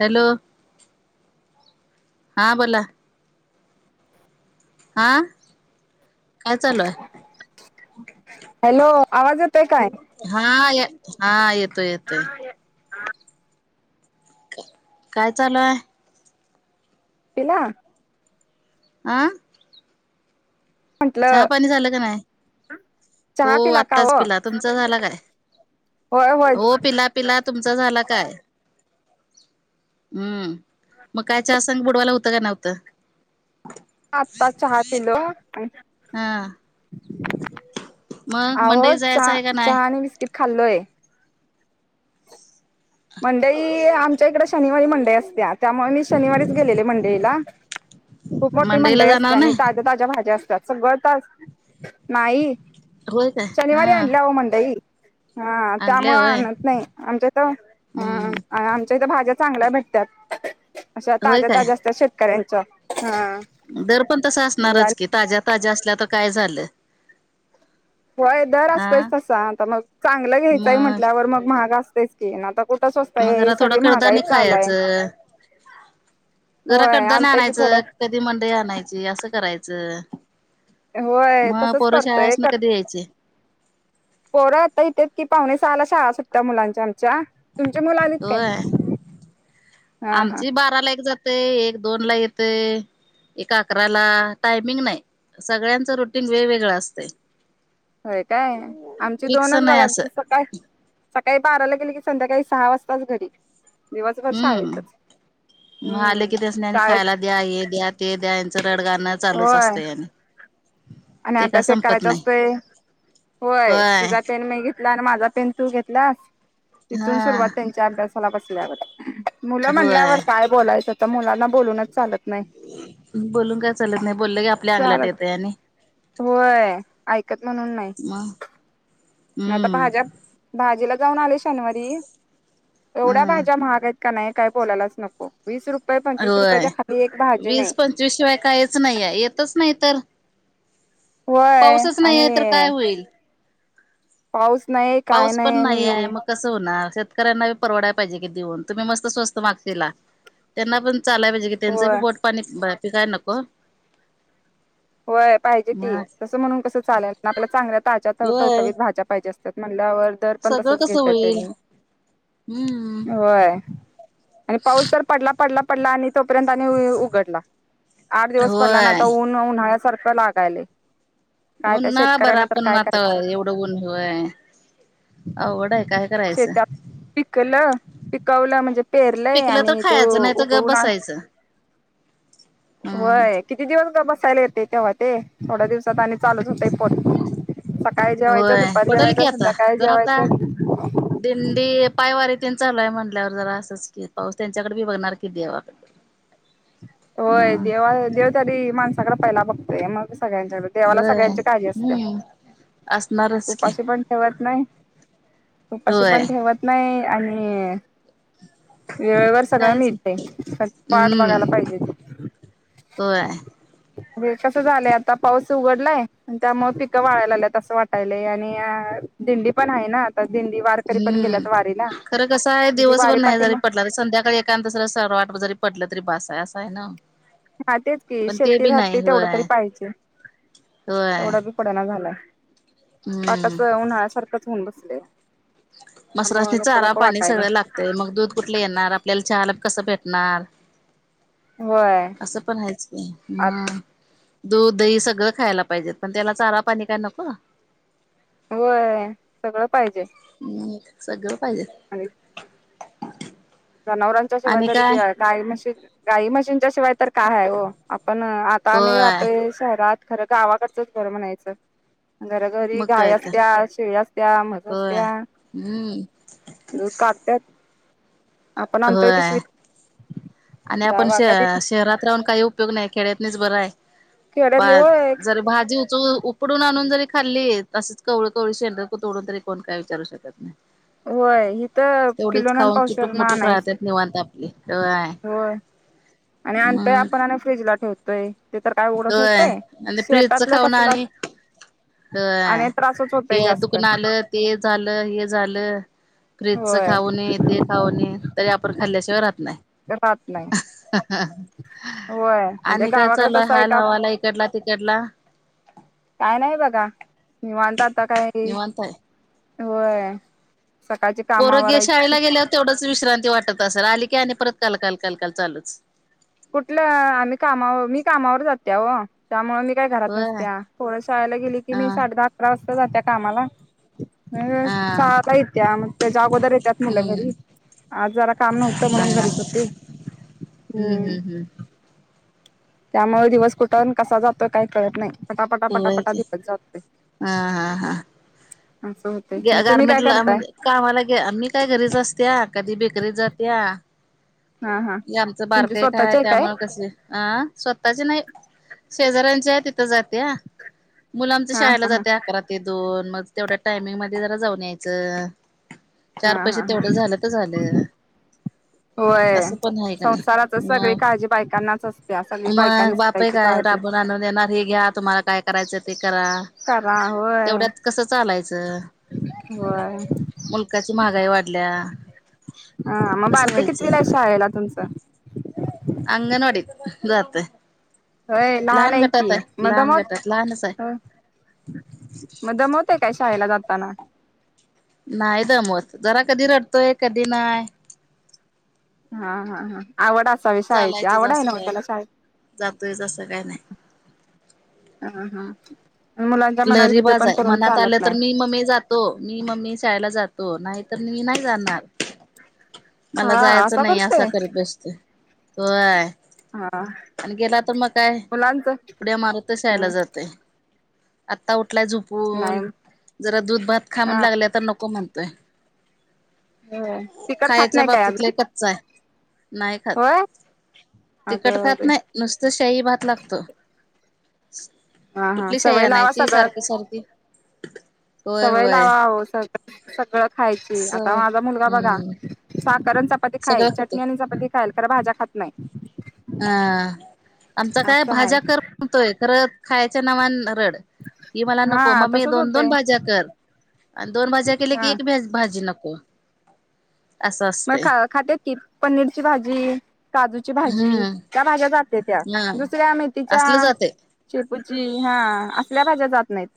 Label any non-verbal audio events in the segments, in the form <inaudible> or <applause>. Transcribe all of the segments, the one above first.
Hello हा बोला. आं. काय चालूय? हॅलो आवाज येतोय काय हां ये हां येतोय येतोय. काय चालूय? पिला? आं? चहा म्हंटलं पाणी झालं का नाई? हो चहा पिला का आत्ताच हो पिला तुमचा झाला काय? होय होय हो पिला पिला तुम चा झाला काय? हम्म मग काय च्या संग बुडवायला होतं का नव्हतं? आत्ता चहा पिलो अ हां. आवो मंडई चा जायचं आहे का नाही चा नी बिस्किट खाल्लोय. मंडई ई आमच्या इकडे शनिवारी मंडई असत्या, त्यामुळे मी शनिवारीच गेलेले मंडईला. खूप मोठी मंडईला मंडई जाणार असते आणि नाही ताज्या ताज्या भाज्या असतात सगळं ता नाई होय काय शनिवारी हा आणल्या ओ मंडईत. हा, आणल्या त्यामुळे होय आणत नाही. आमच्याथ हं. हम्म आमच्या इथ, भाज्या चांगल्या भेट त्यात. अशा होय ताज्या - काय ताज्या असतात. शेतकऱ्यांच्या. हा. दर पण तसं असणारच आणि कि. ताज्या- ताज्या असल्या तर, काय झालं? होय, दर असतच हा तसा. आता मग, चांगलं घ्यायचंय मग म्हटल्यावर, मग महाग असतयच. ती. आता कुठं स्वस मग जरा थोडं, कडधान्य खाया चं. जरा होय कडधान्य आणतोय की थोडं आणायचं. कधी मंडई आणायची. असं करायचं. होय. मग तसच पोरं करतोय. शाळासन कर कधी यायची पोरं आता येतेत कि, पावणे सहाला शाळा सुट्टत्याय, मुलांच्या आमच्या. तुमच्या मुला आलेत काय? होय. हा, हा. आमची बाराला एक जात य. एक दोनला येतय. एका अकराला. टायमिंग नाही. सगळ्यांचं रुटीन वेगवेगळ असतय. होय काय? आमची फिक्स दोनच नाही बघा. असं तसं काय सकाळी बाराला गेले की, संध्याकाळी सहा वाजताच घरी. दिवसभर हम्म. शाळेतच. मग आले की हम्म. त्यासनी आणि शाळेत खायला द्या. ये द्या, ते द्या. यांचं रडगाणं चालूच होय असतंय, आणि. आणि ते काय अभ्यास एक संपत करायचा नाही असतोय. होय, तुझा पेन मी घेत ला अन् माझा पेन तू घेतला. तिथून हा सुरुवात त्यांच्या अभ्यासाला बसल्यावर. मुलं म्हणल्यावर होय. काय, बोलायचं? तर मुलांना बोलूनच चालत नाही बोलून काय, चलत नाही. बोललं की, आपल्या अंगलट चालत येतय, आणि. होय. ऐकत म्हणून नाही. मग? नाही. आता हम्म भाज्या, भाजीला जाऊन आले शनिवारी. एवढ्या, हम् भाज्या महागयत का नाही, काय बोलायलाच नको? वीस रुपये- पंचवीस रुपयाच्या खाली एक भाजी नाही. त्याशिवाय काहीच नाहीय. येतच नाही तर. व्हय. पाऊसच नाही आणि आहे तर काय होईल पाऊस नाहीे, काय पाऊस नाही. पण आणि आहे मग कसं होणार? शेतकऱ्यांना बी परवडाय पाहिजे की, देऊन. तुम्ही मस्त स्वस्त मागशीला. त्यांना पण चालाय पाहिजे कि. त्यांचं बी होय पोटपाणी पिकाय नको? होय पाहिजे की. मग तसं म्हणून कसं चालेल. ना आपल्या चांगल्या ताज्या, होय टवटवीत भाज्या पाहिजे असत्यात, म्हणल्यावर. दर पण सगळं तसच, कसं घेत्या होईल त्यांनी. हम्म होय. आणि पाऊस तर पडला- पडला पडला आणि तोपर्यंत आणि उघडला. आठ दिवस पडला आणि होय आता ऊन- ऊन खाया सारखं लागायलय. काय ऊन त्या ना. बरं, शेतकऱ्यांना तर आपण काय आता. करायचं एवढं ऊन, होय. अवघडाय. काय करायचं? शेतात पिकलं. पिकवलं म्हणजे, पेरलंय. पिकलं तर आणि ते खायचं नाही तर गप उगवून आ बसायचं हम्म होय. किती दिवस गप बसायलय, ते तेव्हा ते. थोड्या दिवसात आणि चालूच होतय, पोट. सकाळी जेवायचं, होय दुपारी पडल की जेवायचं, आता संध्याकाळी जर आता जेवायचं. दिंडी. पायवारी त्यां चालूय म्हणल्यावर, जरा असंच की. पाऊस त्यांच्याकडे बी बघणार की, देवाकड. <inaudible> होय. देवा- देव तरी माणसाकडे, पहियला बघतोय. मग सगळ्यांच्याकडे. देवाला होय सगळ्यांची काळजी असत्या. हम्म असणारच की उपाशी पण ठेवत नाही. उपाशी होय पण ठेवत नाही. आणि <inaudible> वेळेवर सगळ कायच मिळते. वाट हम्म बघायला पाहिजे. म्हणजे होय. हे कसं झालंय. आता पाऊस उघडलाय त्यामुळ पिकं वाळायलायेत अस वाटायलाय. आणि दिंडी पण हाये ना आता. दिंडी वारकरी पण हम्म. गेल्यात वारीला खरं कसं हाय ती दिवसभर वारी नाही जरी पाठीमा पटला संध्याकाळी एकातं सर सरवाट जरी पडलं तरी भास आहे असंय ना. हा तेच की पण ते शेती बी नाही राहती होय तेवढा तरी पाहिजे. होय तेवढा बी पडाना झालाय. हम्म पाकाच उन्हाळ्या सारखंच होऊन बसलेय. मसरानी चारा पाणी सगळं लागतय. मग दूध कुठलं येणार. आपल्याला हाला कसं भेटणार. होय. असं पण हायेच की. आत म. दूध, दही सगळं खायला पाहिजेत. पण त्याला चारा पाणी काय नको? होय सगळं पाहिजे. हम्म सगळं पाहिजे. आणि जनावरांच्या शिवाय आणि तरी ते. काय गाई म्हशीन गाई म्हशीनच्या शिवाय तरी काय हाय हो. आपण आ आम्ही होय राहतोय शहरात. खरं गावाकडचंच बरं म्हणायचं. घरोघरी मग गाय काय तर असत्या, शेळी असत्या, म्हस होय असत्या. हम्म दूध काडत्यात. आपण आणतोय होय पिशवीत. आणि आपण जावा श कधी शहरात राहून काही उपयोग नाही. खेड्यातनीच बरं हाय. बा खेड्यातली होय जरी भाजी उच खुडून आणून जरी खाल्ली. तंसच कवळ कवळ शेंड तोडून तरी कोण काय विचारू शकत नाय. होय हित <inaudible> तेवढीच किलोन आणि खाऊन चुटूक पावशेरन मुटूक आणायचं राहतात निवांत आपली. तेव्हय. होय. आणि अनतोय आपण फ्रीज ला ठेवतोय. ते तर काय उगडं होय ठेवतय. आणि फ्रीजच शेतातलं खाऊन कसल आणि होय. हे जास्त दुखन आलं. ते झालं. हे झालं. फ्रीजच होय खाऊ नयेत खाऊणये. तरी आपण खाल्ल्याशिवाय राहत नाय. राहत नाय. ते आणि काय गावाकडे चालूय? तसं आहे हाल का हवाल. इकडला तिकडला. काय नाही बघा. नीवांत आता काय. निवांत आहे होय. सकाळची पोरोगे कामावरायची शाळेला गेल्यावर तेवढंच विश्रांती वाटत असेल. आली की आणि परत कालकाल कालकाल चालूच. कुठलं आम्ही कामावर, मी कामावर जाते ओ. त्यामुळे मी काय घरात होय नसत्या. पोर शाळेला गेली की, मी हा साडे दहा अकरा वाजता जात्या कामाला. हम्म हा सहाला येत्या. मग त्याच्या अगोदर येत्यात मुलं घरी. हम्म आज जरा काम नव्हतं. म्हणून हा घरीच होते. हम्म हम्म. हम्म त्यामुळे दिवस कुठन कसा जातोय. काही कळत नाही. पटापटा होय पटापटा की दिवस जातोय. असं होतय ग मग तुम्ही काय गार्मेंटला करताय म्हणजे कामाला ग्या मी काय घरीच असत्या. कधी बेकरीत जात्या. हा हा हे आमचं तुमची बारक एक हाय. स्वतःची आहे काय त्यामुळे कस अं स्वतःचे नाही. शेजऱ्यांचेय तिथं जातेया. मुल आमच हा शाळेला हा हा जातेया. घरात ते दोन मग तेवढ्या टायमिंग मध्ये जरा जाऊन यायचं. चार हा पैसे हा हा तेवढं झालं त झालं. होय असं पण आहे का नाही संसाराचच सगळी मग काळजी बायकांनाच असते सगळी बायकांनीच त्यायची काळजी जाणून येणार हेी घ्या तुम्हाला काय करायचं ते करा. करा होय तेवढ्यात कसं चालायचं. होय मुलकाची महागाई वाढल्या हा मग कसं बारक व्हायचं कितीवीला शाहाळेला तुमचं अंगणवाडीत जातोय. होय लहान नाही की मग लहान गटात लहानच आहे दमावतोय मग दमवतंय काय शाळेला जाताना. नाही दमवत जरा कधी रडतोय कधी नाय हा हा हा आवड असावी शाळेची चालायचंच आवड आहे असं ना म काय त्याला जातोयच असं काय नाही. शाळेची. ह हा आणि मुला लहरीबाज आहे मनात आलं तर मी म्मी जात. मी मम्मी शाळेला जातो नाहीत मी नाही जाणार. मला हा जायचं नाही असा करतोय करीत बसतो तो आहे. हा आणि गेला तर मग काय मुलांच उड्या मारत श यायला जाते. आत्ता उठलाय झुपून नाही जरा दूध भात खा म्हणून हा लागल्या तर नको म्हणतोय होय तिकट खात खायच्या नाही काय बाबतीत अजून <unintelligible> नाही खात होय तिकट अगं खात बाई नाय नुसतं शाही भात लागतो. हा हा सवय लावा सगळं. स्वार्थी सवय लावा ओ स सगळं खायची आता सवय माझा मुलगा बघा हम्म. साखांरचा चपाती खाईल सगळं खाते चटणी आणि चपातती खाईल कार भाज्या खात नाही. अ आमचा काय असं भाज्या आहे कर म्हणतोय खरं खायच्या नावान रड कि मला हा नको मग मी तसच दोन दोन होतय भाज्या कर. आणि दोन भाज्या केल्या की हा एक भाजी नको. असं मग असते खा खात ती पनीरची भाजी काजूची भाजी हम्म का भाज्या जात्यात त्या हा दुसऱ्या मेथीच्या असलं जाते शेपूची हा असल्या भाज्या जात नाहीत.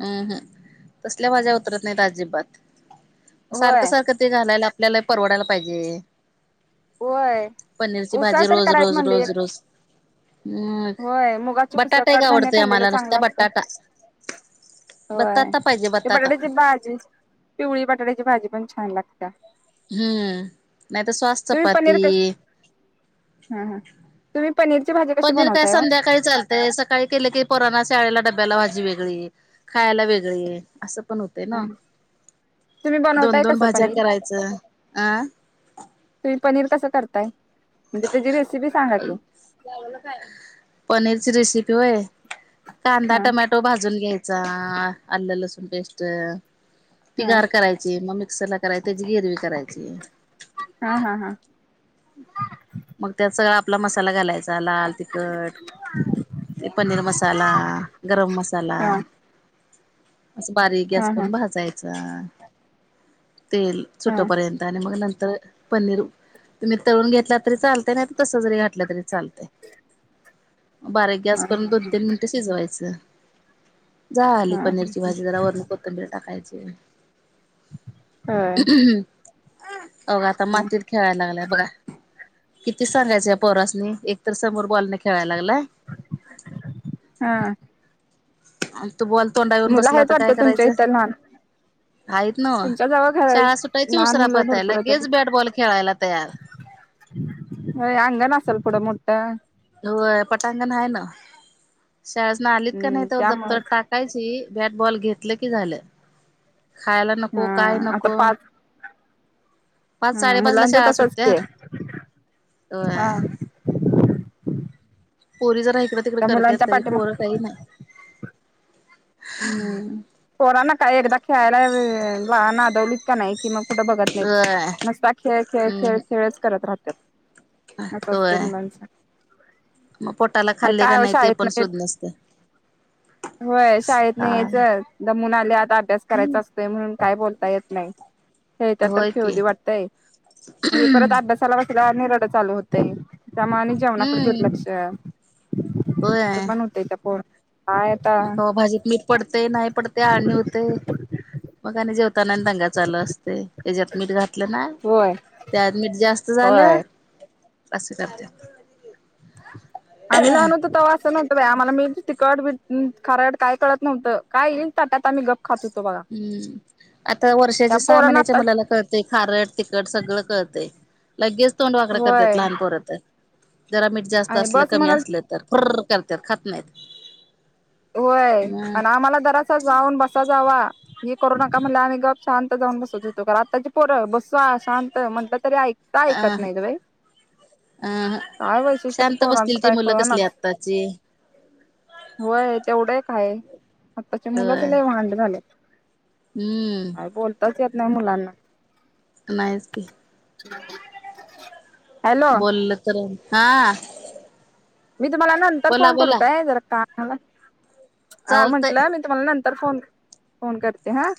हम्म हम् तसल्या माझ्या उतरत नाहीत अजिबात सारखं होय सारखं ते घालायला आपल्याला परवडायला पाहिजे. होय पनीरची उसळ भाजी तर रोज करायच रोज म्हणली एक रोज रोज हम् होय मुगाची उसळ बटाटा एक कडधान्य आवडतोय खाल्लेलं आम्हाला नुसता चांगलं असतंय बटाटा होय बटाटा पाहिजे ते बटाटा बटाट्याची भाजी पिवळी बटाट्याची भाजी पण छान लागत्या हम्म नाही तरर सॉस तुम्ही चपाती पनीर क हा हा तुम्ही पनीरची भाजी कशी बनव ते सकाळी केले की पोरांना शाळेला डब्याला भाजी वेगळी खायला वेगळी असं पण होतय हा ना तुम्ही दोन बनवताय दोन कसं भाज्या पनीर? करायचं अं तुम्ही पनीर कसं करताय म्हणजे तेजी रेसिपी सांगा की पनीरची रेसिपी होय कांदा हा टम्याटो तो भाजून घ्यायचा आलं लसूण पेस्ट हा तिगार करायची मग मिक्सर ला करायची त्याची गिरवी करायची. हा हा हा मग त्यात सगळा आपला मसाला घालायचा लाल तिखट पनीर मसाला, गरम मसाला, हा असं बारीक हा गॅस हा करून भाजायच तेल हा सुटोपर्यंत आणि मग नंतर पनीर तुम्ही तळून घेतलात चालतय नाही तस जरी घातल तरी चालतंय बारीक हा गॅस करून दोन, तीन मिन ते शिजवायचं झाली हा पनीरची भाजी जरा वरून कोथंबीर टाकायचे होय अव आता मातीत खेळायला लागलाय बघा किती सांगायचं या पोरासनी एक तर समोर बॉलने खेळायला लागलाय. हा... तो बॉल तोंडावर येऊन मुलं बसला आहेत तर काय वाटतं तुमच्या करायचं? इथं लहान आहेतच ना हो तुमच्या जवळ घर शाळा सुटायची लहान उसरा मुलं पारताय भरपूर आहेत लगेच वाटतं. बॅटबॉल खेळायला तयार होय, अंगान असल पुढं मोठ? होय पटांगण आहे ना शाळेसन ना आलीत का नाही हम्म तर दप्तर त्यामुळंच टाक कायच बॅट बॉल घेतलं कि झालं खायला नको, हा काय नको पाच हम्म, साडेपाच ला मुलांच शाळा तसच की सुटत्यात हा.. होय पोरी जरा इकडं, तिकडे त्या करतेत मुलांच्या तरी पाठीमा पोरं काही नाही. हम्म पोरांना काय एकदा खेळायला आ नादवलीत का नाही कि मग पुढ बघत नाहीत होय नुसता खेळ, खेळ, खेळ, हम्म खेळच करत राहतात अस होय असते मुलांच. मग पोटाला खाल्ले का काय नाही ते शाळेत पण सुध नसते. होय शाळेत हा नाही यायचं दमून आले आता अभ्यास करायचा असतोय म्हणून काय बोलता येत नाही. खेळतात तर होय की खेळुदे वाटतय म्ह परत अभ्यास परवा तिला निरळ चालू होतंय त्या माने जेवणाकडे हम्म दुर्लक्ष होय असं पण होतय त्या पो मग भाजीत मीठ पडतेय, नाही पडतेय आळणी होतय मग जेव तनान दंगा चाल असते त्याच्यात मीठ घातलं नाय होय त्यात मीठ जास्त झालं होय असं करत्यात. आम्ही लहान होतो तव्हा अस नव्ह आम्हाला मिठ, तखट, खारड काय कळत नव्हतं काय येईल ताटात आम्ही गप्प हम्म आता या वर्षाच्या सहा पोरांना महिन्याच्या आता मुलाला कळत ते खारट तिकखट सगळं कळतेय लगेच तोंड वाकड करतात होय लहानपोर तर. जरा मीठ जास्त आणि असलं बस कमी म्हणाल असलं तर फर करतात खात नाहीत. होय मग आणि आम्हाला जरासा जाऊन बसा जावा हे करुना का म्हणलं आम्ही गप्प शांत जाऊन बसत होतो. पण आत्ताची पोर बसा शांत म्हटलं तरी ऐक काय अ आइकत नाही ग बाई? अ काय वैशिष्ट्य शांत पोरांचं बसतील ती काय मुलं कसली कळनाच आत्ताची. होय तेवढं एक हाय आताची होय मुलंच लय वांड झाली यात. हम्म... काही बोलताच येत नाही मुलांना. नाहीस की. <inaudible> हॅलो बोलल तर हा.. मी तुम्हाला नंतर बोला फोन करू बोला काय जरा कामात हाये अहो चालतंय. म्हंटलं मी तुम्हाला नंतर फोन, फोन करते हा..